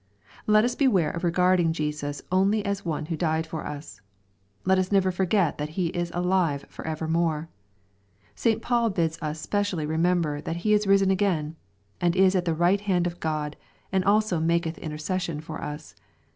Let us beware of regarding Jesus only as one who died for us. Let us never forget that He is alive for evermore. St. Paul bids us specially re member that He is risen again, and is at the right hand of God, and also maketh intercession for us.